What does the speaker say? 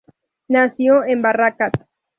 Nació en Barracas.